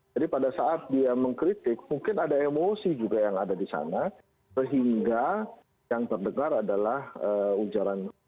jadi pada saat dia mengkritik mungkin ada emosi juga yang ada di sana sehingga yang terdengar adalah ujaran kebencian